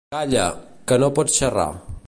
Calla, que no pots xerrar.